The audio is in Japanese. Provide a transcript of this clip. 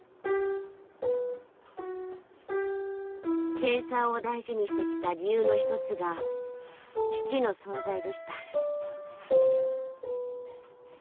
チェーサーを大事にしてきた理由の一つが父の存在でした。